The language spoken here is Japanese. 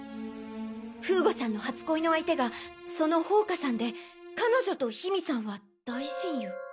風悟さんの初恋の相手がその宝華さんで彼女と緋美さんは大親友。